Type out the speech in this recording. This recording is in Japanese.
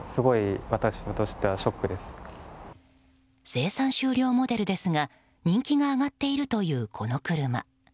生産終了モデルですが人気が上がっているというこの車。